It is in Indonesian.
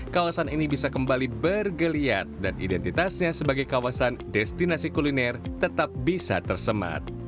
kawasan ini bisa kembali bergeliat dan identitasnya sebagai kawasan destinasi kuliner tetap bisa tersemat